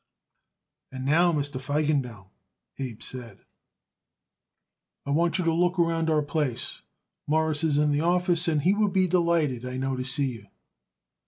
"And now, Mr. Feigenbaum," Abe said, "I want you to look around our place. Mawruss is in the office, and he would be delighted, I know, to see you."